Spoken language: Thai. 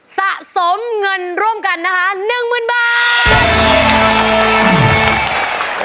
สะสมเงินร่วมกันนะคะ๑๐๐๐บาท